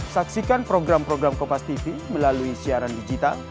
saksikan program program kopastv melalui siaran digital